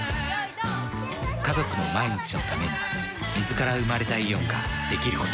家族の毎日のために水から生まれたイオンができること。